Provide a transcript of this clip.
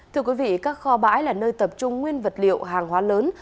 thưa quý vị các kho bãi là nơi tập trung nguyên vật liệu hàng hóa lớn